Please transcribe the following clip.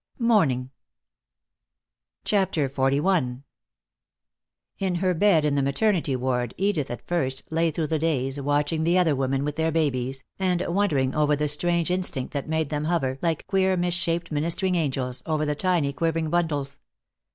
Morning. CHAPTER XLI In her bed in the maternity ward Edith at first lay through the days, watching the other women with their babies, and wondering over the strange instinct that made them hover, like queer mis shaped ministering angels, over the tiny quivering bundles.